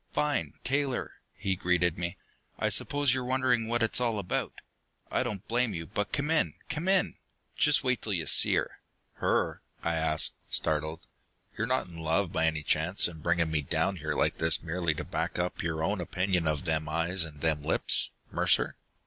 "Fine, Taylor!" he greeted me. "I suppose you're wondering what it's all about. I don't blame you. But come in, come in! Just wait till you see her!" "Her?" I asked, startled. "You're not in love, by any chance, and bringing me down here like this merely to back up your own opinion of them eyes and them lips, Mercer?"